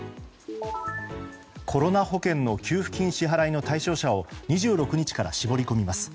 コロナ保険の給付金支払いの対象者を２６日から絞り込みます。